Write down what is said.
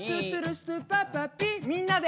みんなで。